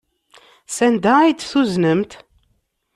Sanda ay t-tuznemt?